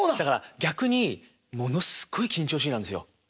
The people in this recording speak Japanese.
逆にものすごい緊張しいなんですよ。